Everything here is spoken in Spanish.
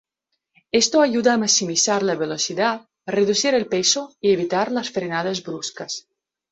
Esto ayuda a maximizar la velocidad, reducir el peso y evitar las frenadas bruscas.